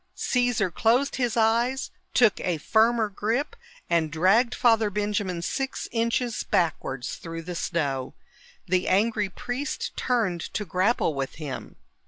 Caesar closed his eyes, took a firmer grip and dragged Father Benjamin six inches backwards through the snow. The angry priest turned to grapple with him.